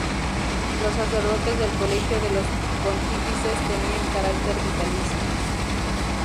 Los sacerdotes del colegio de los pontífices tenían carácter vitalicio.